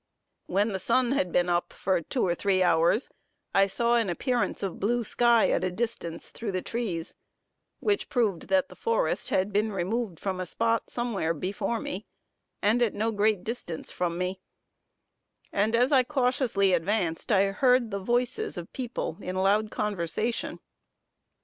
When the sun had been up two or three hours, I saw an appearance of blue sky at a distance through the trees, which proved that the forest had been removed from a spot somewhere before me, and at no great distance from me; and, as I cautiously advanced, I heard the voices of people in loud conversation.